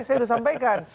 saya sudah sampaikan